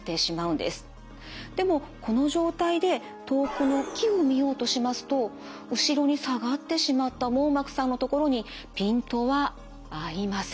でもこの状態で遠くの木を見ようとしますと後ろに下がってしまった網膜さんのところにピントは合いません。